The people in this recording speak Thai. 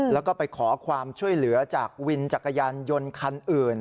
แล้วก็ไปขอความช่วยเหลือจากวินจักรยานยนต์คันอื่น